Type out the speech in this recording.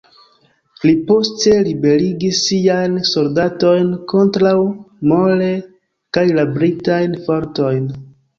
Li poste liberigis siajn soldatojn kontraŭ Moore kaj la Britajn fortojn.